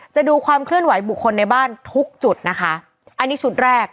ดูความเคลื่อนไหวบุคคลในบ้านทุกจุดนะคะอันนี้ชุดแรก